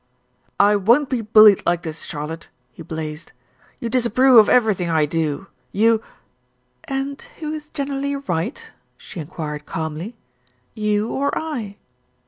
"I won't be bullied like this, Charlotte," he blazed. "You disapprove of everything I do. You " "And who is generally right?'' she enquired calmly. "You or I?"